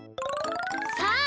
さあ